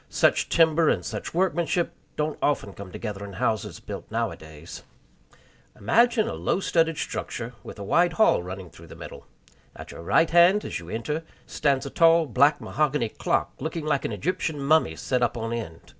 Such timber and such workmanship don't often come together in houses built nowadays. Imagine a low studded structure, with a wide hall running through the middle. At your right band, as you enter, stands a tall black mahogany clock, looking like an Egyptian mummy set up on end.